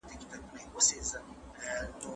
ولي هوډمن سړی د پوه سړي په پرتله خنډونه ماتوي؟